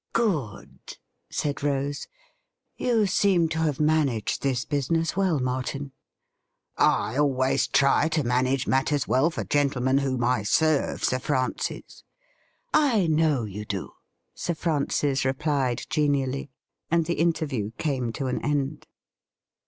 ' Good !' said Rose. ' You seem to have managed this business well, Martin.' ' I always try to manage matters well for gentlemen whom I serve. Sir Francis.' ' I know you do,' Sir Francis replied genially. And the interview came to an end.